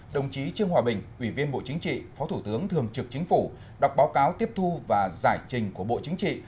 đồng chí trương hòa bình ủy viên bộ chính trị phó thủ tướng thường trực chính phủ đọc báo cáo tiếp thu và giải trình của bộ chính trị